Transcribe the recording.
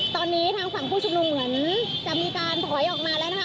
ตอนนี้ทางฝั่งผู้ชุมนุมเหมือนจะมีการถอยออกมาแล้วนะคะ